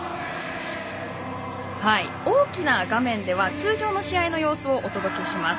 大きな画面では通常の試合の様子をお届けします。